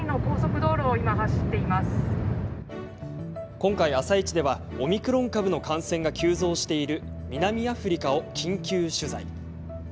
今回、「あさイチ」ではオミクロン株の感染が急増している南アフリカを緊急取材。